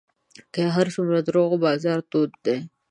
که هر څومره د دروغو بازار تود دی